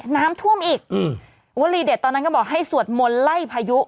น้ำท่วมอีกอืมวลีเด็ดตอนนั้นก็บอกให้สวดมนต์ไล่พายุ